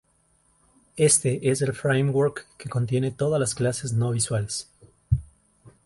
Este es el Framework que contiene todas las clases no visuales.